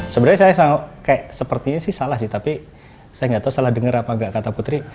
sebenarnya saya kayak sepertinya sih salah sih tapi saya gak tau salah denger apa gak kata putri